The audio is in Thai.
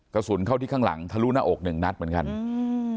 กระสุนเข้าที่ข้างหลังทะลุหน้าอกหนึ่งนัดเหมือนกันอืม